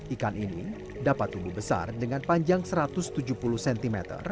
ikan ini dapat tumbuh besar dengan panjang satu ratus tujuh puluh cm